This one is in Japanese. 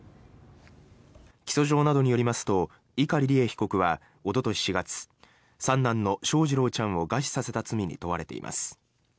起訴状などによりますと碇利恵被告はおととし４月三男の翔士郎ちゃんを餓死させた罪に問われています。